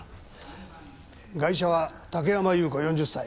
ガイシャは竹山祐子４０歳。